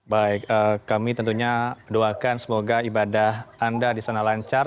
baik kami tentunya doakan semoga ibadah anda di sana lancar